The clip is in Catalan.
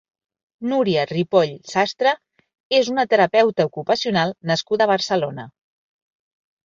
Núria Ripoll Sastre és una terapeuta ocupacional nascuda a Barcelona.